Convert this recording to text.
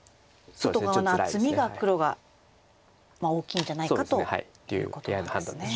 外側の厚みが黒は大きいんじゃないかと。っていうＡＩの判断です。